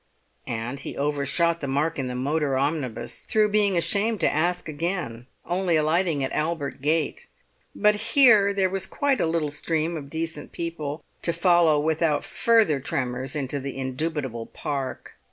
And he overshot the mark in the motor omnibus through being ashamed to ask again, only alighting at Albert Gate; but here there was quite a little stream of decent people to follow without further tremors into the indubitable Park.